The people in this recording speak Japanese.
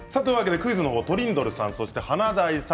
クイズの方はトリンドルさん、華大さん